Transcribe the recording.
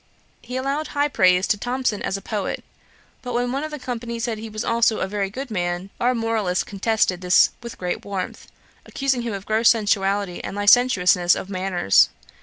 He allowed high praise to Thomson as a poet; but when one of the company said he was also a very good man, our moralist contested this with great warmth, accusing him of gross sensuality and licentiousness of manners.